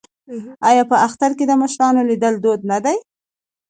آیا په اختر کې د مشرانو لیدل دود نه دی؟